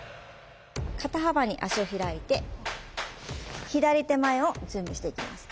肩幅に足を開いて左手前を準備していきます。